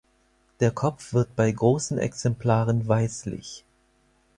Der Kopf wird bei großen Exemplaren weißlich.